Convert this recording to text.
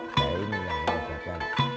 ya ini yang menyebabkan